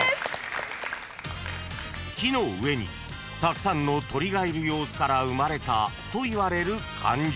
［木の上にたくさんの鳥がいる様子から生まれたといわれる漢字］